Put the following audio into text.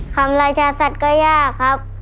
คำราชาสัตว์ก็ยากครับ